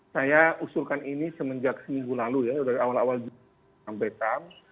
saya usulkan ini semenjak seminggu lalu ya dari awal awal sampaikan